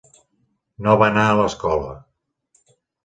No va anar a l'escola.